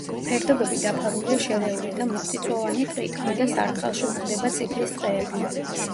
ფერდობები დაფარულია შერეული და მუქწიწვოვანი ტყით, ქვედა სარტყელში გვხვდება წიფლის ტყეები.